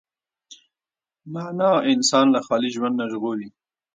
معنی انسان له خالي وجود نه ژغوري.